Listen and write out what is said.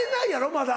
まだ。